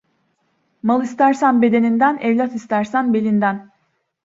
Mal istersen bedeninden, evlat istersen belinden.